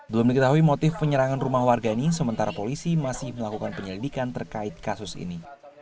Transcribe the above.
belum diketahui motif penyerangan rumah warga ini sementara polisi masih melakukan penyelidikan terkait kasus ini